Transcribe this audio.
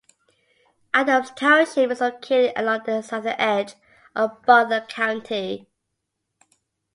Adams Township is located along the southern edge of Butler County.